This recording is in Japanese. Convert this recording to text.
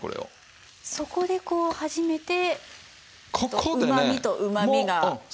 そこでこう初めてうまみとうまみが合わさる。